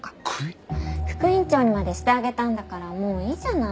副院長にまでしてあげたんだからもういいじゃない。